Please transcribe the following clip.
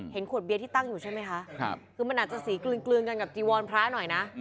ขวดเบียร์ที่ตั้งอยู่ใช่ไหมคะคือมันอาจจะสีกลืนกันกับจีวรพระหน่อยนะ